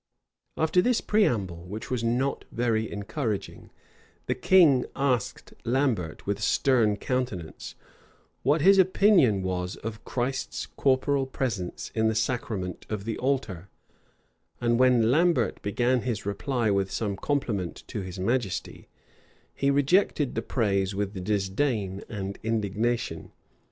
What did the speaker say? ii. p. 426 Goodwin's Annals After this preamble, which was not very encouraging, the king asked Lambert, with a stern countenance, what his opinion was of Christ's corporal presence in the sacrament of the altar; and when Lambert began his reply with some compliment to his majesty, he rejected the praise with disdain and indignation.